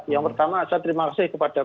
yang pertama saya terima kasih kepada